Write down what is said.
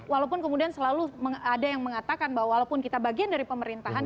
walaupun kemudian selalu ada yang mengatakan bahwa walaupun kita bagian dari pemerintahan